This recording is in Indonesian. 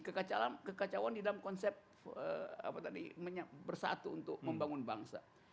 kekacauan di dalam konsep bersatu untuk membangun bangsa